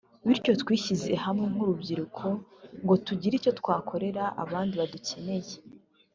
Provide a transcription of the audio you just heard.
bityo twishyize hamwe nk’urubyiruko ngo tugire icyo twakorera abandi badukeneye